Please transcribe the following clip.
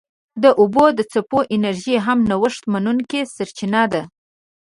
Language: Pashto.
د اوبو د څپو انرژي هم نوښت منونکې سرچینه ده.